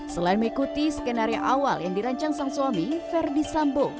selain mengikuti skenario awal yang dirancang sang suami verdi sambo